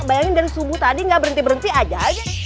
bayangin dari subuh tadi nggak berhenti berhenti aja